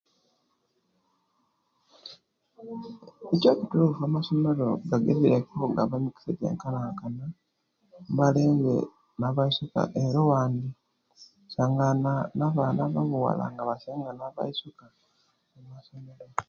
Ekyokyitufu amasomero agagezyaku okugaba emigisa jenkalankalira abalenzi na'baisuka era owandi osangana na'baana abo'buwaala nga basinga na'baisuka okumasomero.